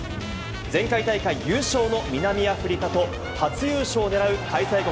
前回大会優勝の南アフリカと初優勝を狙う開催国